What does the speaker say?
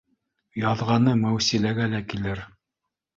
Яҙғаны Мәүсиләгә лә килер